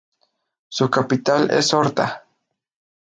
Su capital es Horta.